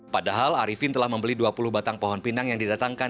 padahal arifin telah membeli dua puluh batang pohon pinang yang didatangkan